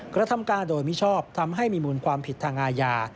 กระทำการโดยมิชอบทำให้มีมูลความผิดทางอาญา